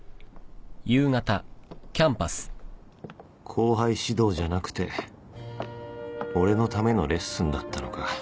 後輩指導じゃなくて俺のためのレッスンだったのか